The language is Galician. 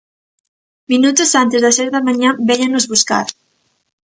Minutos antes das seis da mañá véñenos buscar.